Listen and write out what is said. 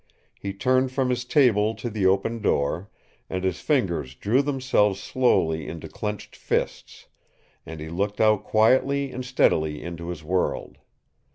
He turned from his table to the open door, and his fingers drew themselves slowly into clenched fists, and he looked out quietly and steadily into his world.